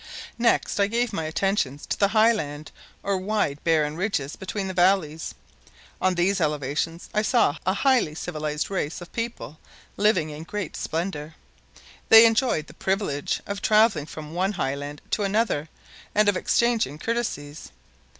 Next I gave my attention to the highlands or wide barren ridges between the valleys. On these elevations I saw a highly civilized race of people living in great splendor. They enjoyed the privilege of traveling from one highland to another and of exchanging courtesies.